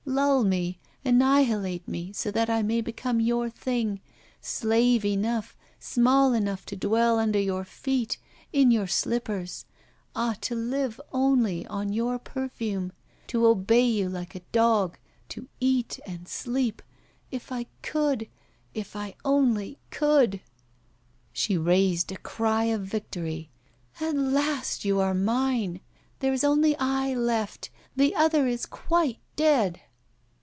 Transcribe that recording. Lull me, annihilate me, so that I may become your thing, slave enough, small enough to dwell under your feet, in your slippers. Ah! to live only on your perfume, to obey you like a dog, to eat and sleep if I could, if I only could!' She raised a cry of victory: 'At last you are mine! There is only I left, the other is quite dead!